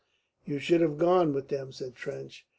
"You should have gone with them," said Trench.